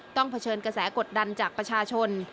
เผชิญกระแสกดดันจากประชาชน